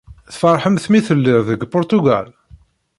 Tfeṛḥemt mi telliḍ deg Puṛtugal?